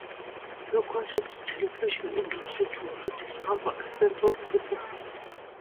He called on the television industry to rediscover a sense of purpose.